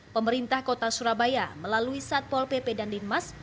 pemerintah kota surabaya melalui satpol pp dan dinmas